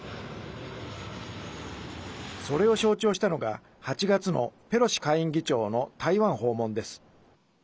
それを象徴したのが８月のペロシ下院議長の台湾訪問です。